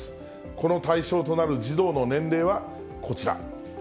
この対象となる児童の年齢はこちら。